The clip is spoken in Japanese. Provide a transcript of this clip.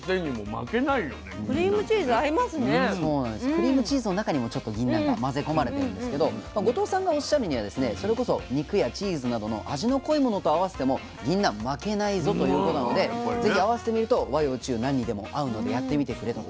クリームチーズの中にもちょっとぎんなんが混ぜ込まれてるんですけど後藤さんがおっしゃるにはですねそれこそ肉やチーズなどの味の濃いものと合わせてもぎんなん負けないぞということなのでぜひ合わせてみると和洋中何にでも合うのでやってみてくれと。